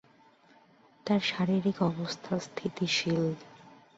তাঁর শারীরিক অবস্থা স্থিতিশীল।